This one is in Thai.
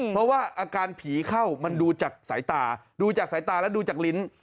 เพราะว่าอาการผีเข้ามันดูจากสายตาดูจากสายตาแล้วดูจากลิ้น